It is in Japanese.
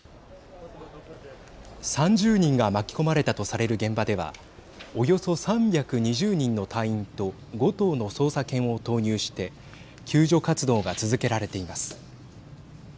３０人が巻き込まれたとされる現場ではおよそ３２０人の隊員と５頭の捜査犬を投入して救助活動が続けられています。